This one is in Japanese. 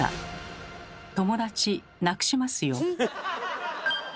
友達なくしますよ。